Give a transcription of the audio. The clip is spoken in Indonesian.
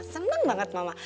senang banget mama